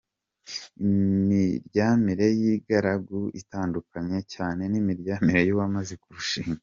Imiryamire y’ingaragu itandukanye cyane n’imiryamire y’uwamaze kurushinga.